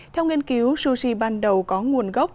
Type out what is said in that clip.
theo nghiên cứu sushi ban đầu có nguồn gốc